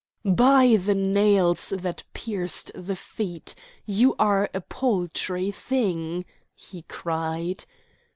"By the nails that pierced the feet, you are a paltry thing!" he cried.